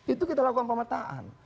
itu kita lakukan pemetaan